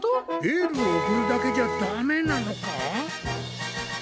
エールを送るだけじゃダメなのか？